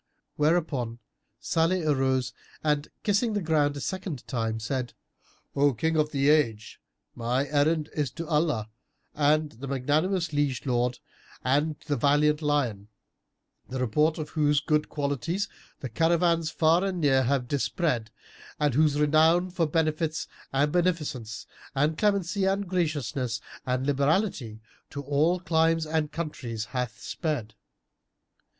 Whereupon Salih arose and, kissing the ground a second time, said, "O King of the Age, my errand is to Allah and the magnanimous liege lord and the valiant lion, the report of whose good qualities the caravans far and near have dispread and whose renown for benefits and beneficence and clemency and graciousness and liberality to all climes and countries hath sped."